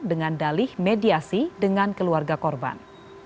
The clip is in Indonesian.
dengan dalih mediasi dengan keluarga korban